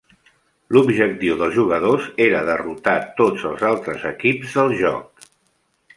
L'objectiu dels jugadors era derrotar tots els altres equips del joc.